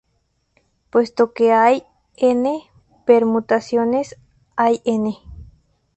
Puesto que hay "n" permutaciones, hay "n!